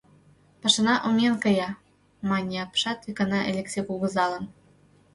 — Пашана умен кая, — мане апшат икана Элексей кугызалан.